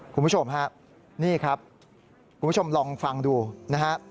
คุณผู้ชมฮะนี่ครับคุณผู้ชมลองฟังดูนะฮะ